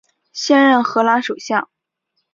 现任荷兰首相。